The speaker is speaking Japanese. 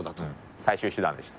最終手段でした。